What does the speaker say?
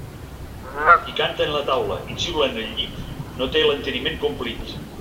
Qui canta en la taula i xiula en el llit no té l'enteniment complit.